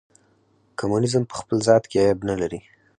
کمونیزم په خپل ذات کې عیب نه لري.